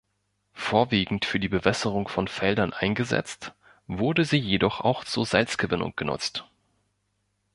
Vorwiegend für die Bewässerung von Feldern eingesetzt, wurde sie jedoch auch zur Salzgewinnung genutzt.